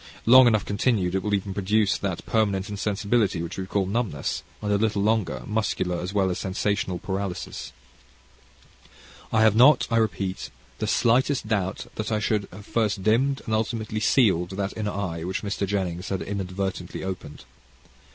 Long enough continued it will even produce that permanent insensibility which we call numbness, and a little longer, muscular as well as sensational paralysis. I have not, I repeat, the slightest doubt that I should have first dimmed and ultimately sealed that inner eye which Mr. Jennings had inadvertently opened.